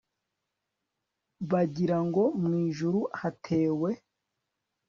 bagirango mw'ijuru hatewe